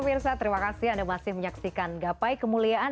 memirsa terimakasih anda masih menyaksikan gapai kemuliaan